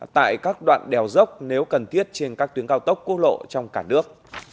tại các đoạn đèo dốc nếu cần thiết trên các tuyến cao tốc quốc lộ trong cả nước